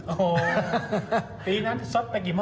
โอ้โหปีนั้นสดไปกี่ห้อ